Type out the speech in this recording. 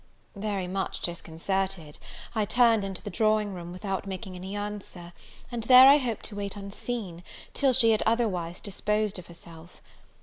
Very much disconcerted, I turned into the drawing room, without making any answer, and there I hoped to wait unseen, till she had otherwise disposed of herself.